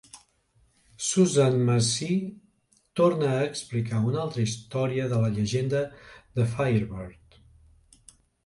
Suzanne Massie torna a explicar una altra història de la llegenda de Firebird.